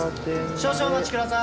少々お待ちください。